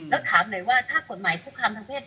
ถ้าขอถามหน่อยว่ากฎหมายผู้คศคำทางเพศ